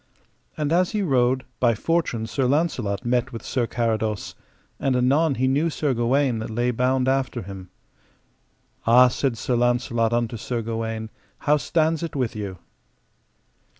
And as he rode, by fortune Sir Launcelot met with Sir Carados, and anon he knew Sir Gawaine that lay bound after him. Ah, said Sir Launcelot unto Sir Gawaine, how stands it with you?